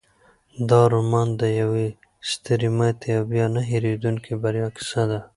دا رومان د یوې سترې ماتې او بیا نه هیریدونکې بریا کیسه ده.